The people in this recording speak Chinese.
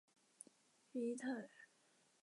于伊特尔。